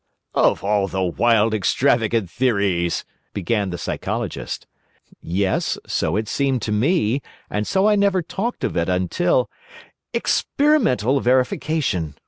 "Of all the wild extravagant theories!" began the Psychologist. "Yes, so it seemed to me, and so I never talked of it until—" "Experimental verification!"